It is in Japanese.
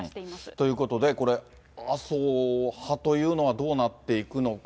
ということで、これ、麻生派というのはどうなっていくのか。